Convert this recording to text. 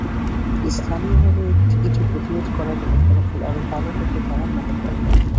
স্থানীয়ভাবে এটি প্রতিরোধ করা গেলে ফলাফল আরও ভালো হবে তাঁরা মনে করেন।